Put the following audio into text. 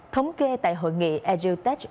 thống kê tại hội nghị agile tech